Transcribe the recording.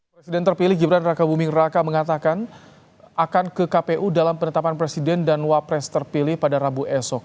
presiden terpilih gibran raka buming raka mengatakan akan ke kpu dalam penetapan presiden dan wapres terpilih pada rabu esok